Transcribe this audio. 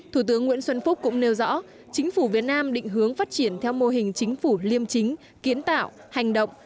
thủ tướng nguyễn xuân phúc cũng nêu rõ chính phủ việt nam định hướng phát triển theo mô hình chính phủ liêm chính kiến tạo hành động